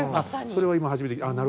それは今初めて聞いた。